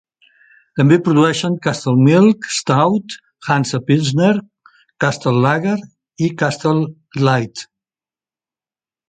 També produeixen Castle Milk Stout, Hansa Pilsner, Castle Lager i Castle Lite.